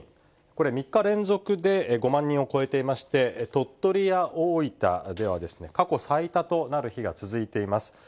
これ、３日連続で５万人を超えていまして、鳥取や大分では、過去最多となる日が続いています。